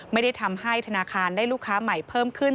ไม่ได้ทำให้ธนาคารได้ลูกค้าใหม่เพิ่มขึ้น